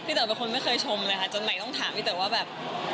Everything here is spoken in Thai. เต๋อเป็นคนไม่เคยชมเลยค่ะจนใหม่ต้องถามพี่เต๋อว่าแบบ